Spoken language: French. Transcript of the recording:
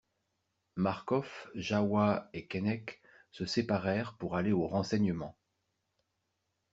Marcof, Jahoua, et Keinec se séparèrent pour aller aux renseignements.